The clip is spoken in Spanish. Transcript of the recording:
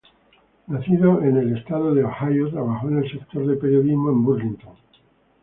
Nacido en el Estado de Ohio, trabajó en el sector de periodismo en Burlington.